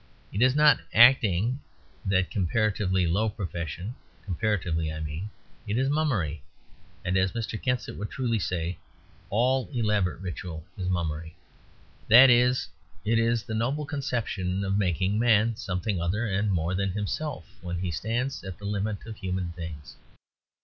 It is not Acting that comparatively low profession—comparatively I mean. It is Mummery; and, as Mr. Kensit would truly say, all elaborate religious ritual is Mummery. That is, it is the noble conception of making Man something other and more than himself when he stands at the limit of human things.